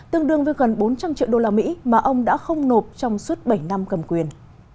tương đương với gần bốn trăm linh triệu đô la mỹ mà ông đã không nộp trong suốt bảy năm cầm quyền